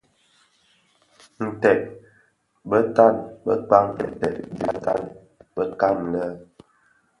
Nted bè tan bëkpan ntèd dhi tan bekan le.